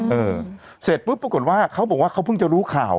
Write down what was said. เออเสร็จปุ๊บปรากฏว่าเขาบอกว่าเขาเพิ่งจะรู้ข่าว